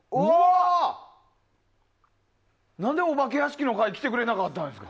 何でお化け屋敷の会に来てくれなかったの？